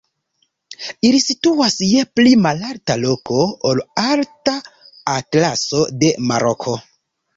Ili situas je pli malalta loko ol la Alta Atlaso de Maroko.